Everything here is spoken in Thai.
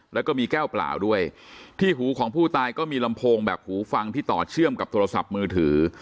แล้วก็มีแก้วเปล่าด้วยที่หูของผู้ตายก็มีลำโพงแบบหูฟังที่ต่อเชื่อมกับโทรศัพท์มือถือ